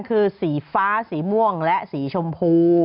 คือสีฟ้าสีม่วงและสีชมพู